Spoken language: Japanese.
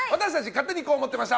勝手にこう思ってました！